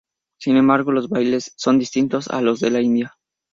Sin embargo, los bailes son distintos a los de la India.